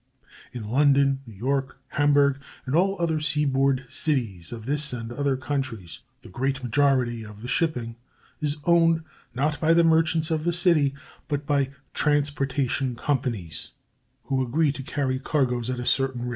In London, New York, Hamburg, and all other seaboard cities of this and other countries, the great majority of the shipping is owned, not by the merchants of the city, but by "transportation companies," who agree to carry cargoes at a certain rate.